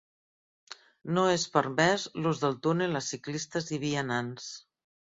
No és permès l'ús del túnel a ciclistes i vianants.